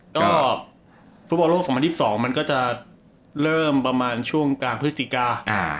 ก็ฟุตบอลโลก๒๐๒๒มันก็จะเริ่มประมาณช่วงกลางพฤศจิกา